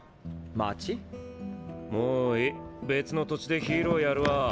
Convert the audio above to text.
もういい別の土地でヒーローやるわ。